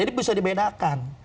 jadi bisa dibedakan